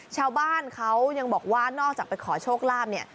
ชาวบ้านเขายังบอกว่านอกจากไปขอโชคลาภเนี่ย